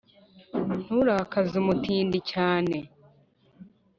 nturakaze umutindi cyane